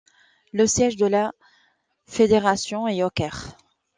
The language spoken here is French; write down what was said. Le siège de la fédération est au Caire.